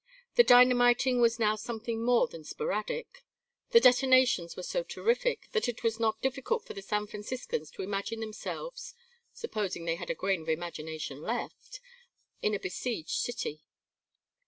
The dynamiting was now something more than sporadic. The detonations were so terrific that it was not difficult for the San Franciscans to imagine themselves supposing they had a grain of imagination left in a besieged city.